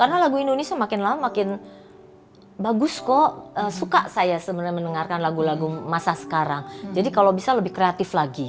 karena lagu indonesia makin lama makin bagus kok suka saya sebenarnya mendengarkan lagu lagu masa sekarang jadi kalau bisa lebih kreatif lagi gitu